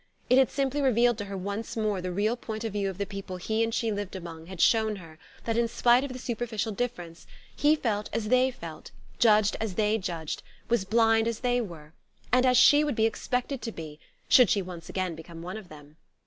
It had simply revealed to her once more the real point of view of the people he and she lived among had shown her that, in spite of the superficial difference, he felt as they felt, judged as they judged, was blind as they were and as she would be expected to be, should she once again become one of them.